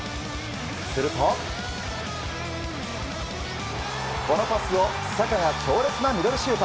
すると、このパスをサカが強烈なミドルシュート。